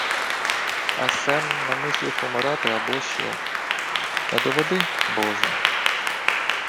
— А се-м намислив помирати абощо... Не доведи, Боже.